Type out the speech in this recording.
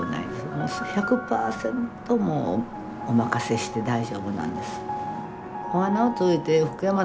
もう１００％もうお任せして大丈夫なんです。